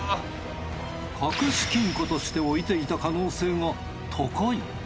隠し金庫として置いていた可能性が高い！？